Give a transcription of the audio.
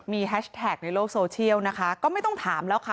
มีแฮชแท็กในโลกโซเชียลนะคะก็ไม่ต้องถามแล้วค่ะ